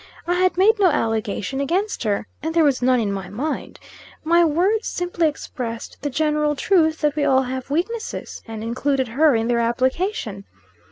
I had made no allegation against her; and there was none in my mind. My words simply expressed the general truth that we all have weaknesses, and included her in their application.